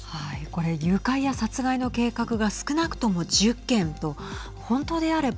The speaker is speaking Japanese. これ、誘拐や殺害の計画が少なくとも１０件とはい。